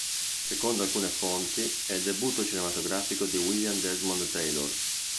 Secondo alcune fonti, è il debutto cinematografico di William Desmond Taylor.